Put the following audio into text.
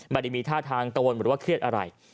ไม่ได้มีท่าทางกังวลหรือว่าเครียดอะไร